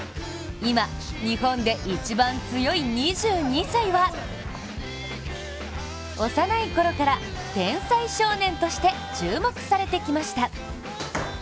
今、日本で一番強い２２歳は幼いころから天才少年として注目されてきました。